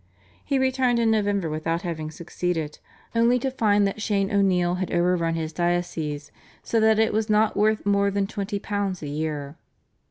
He returned in November without having succeeded, only to find that Shane O'Neill had overrun his diocese so that it was not worth more than £20 a year.